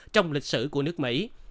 trong lịch sử của nước mỹ